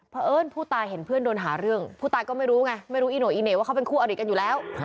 เพราะเอิญผู้ตายเห็นเพื่อนโดนหาเรื่องผู้ตายก็ไม่รู้ไงไม่รู้อีโน่อีเหน่ว่าเขาเป็นคู่อริกันอยู่แล้ว